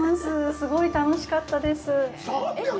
すごい楽しかったです。